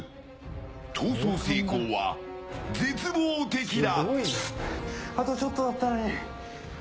逃走成功は絶望的だ。